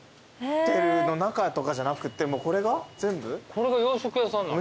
これが洋食屋さんなの？